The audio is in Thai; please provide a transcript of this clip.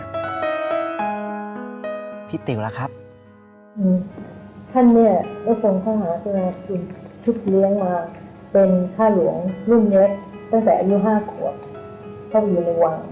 พี่ติ๋วล่ะครับ